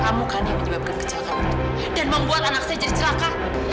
kamu kan yang menyebabkan kecelakaan itu dan membuat anak saya jadi celaka